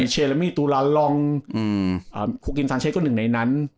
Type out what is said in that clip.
เชลมี่ตูลาลองคุกกินซานเชสก็หนึ่งในนั้น